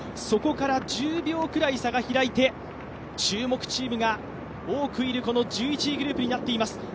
そこから１０秒くらい差が開いて、注目チームが多くいるこの１１位グループになっています。